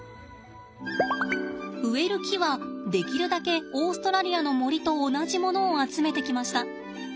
植える木はできるだけオーストラリアの森と同じものを集めてきました。